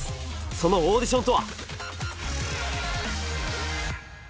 そのオーディションとは？